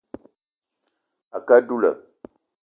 A kə á dula